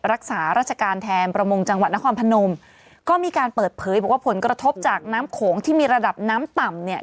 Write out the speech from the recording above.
รักษาราชการแทนประมงจังหวัดนครพนมก็มีการเปิดเผยบอกว่าผลกระทบจากน้ำโขงที่มีระดับน้ำต่ำเนี่ย